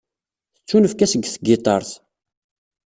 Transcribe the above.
Tettunefk-as deg tgiṭart.